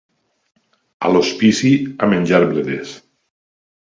A l'Hospici a menjar bledes.